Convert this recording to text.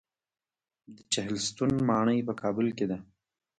د چهلستون ماڼۍ په کابل کې ده